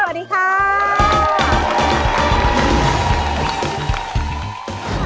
สวัสดีครับ